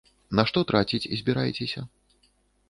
На што траціць збіраецеся?